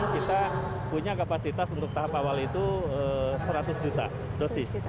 kita punya kapasitas untuk tahap awal itu seratus juta dosis